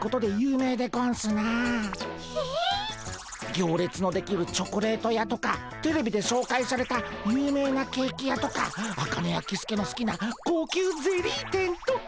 行列の出来るチョコレート屋とかテレビで紹介された有名なケーキ屋とかアカネやキスケのすきな高級ゼリー店とか。